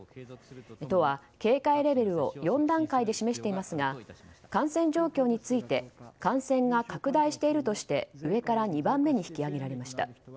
都は警戒レベルを４段階で示していますが感染状況について感染が拡大しているとして上から２番目に引き上げられました。